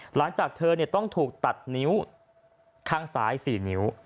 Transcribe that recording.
หลังจากเธอต้องถูกตัดนิ้วข้างซ้าย๔นิ้ว